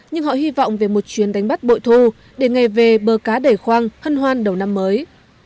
nhưng họ hy vọng về một chuyến đánh bắt bội thu để ngay về bờ cá đẩy khoang hân hoan đầu năm mới